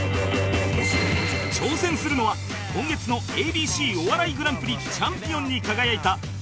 挑戦するのは今月の ＡＢＣ お笑いグランプリチャンピオンに輝いたオズワルド